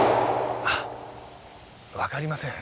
ああわかりません。